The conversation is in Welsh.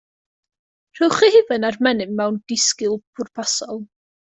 Rhowch y hufen a'r menyn mewn dysgl bwrpasol.